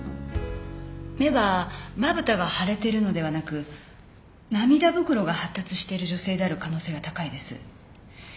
目はまぶたが腫れているのではなく涙袋が発達している女性である可能性が高いです。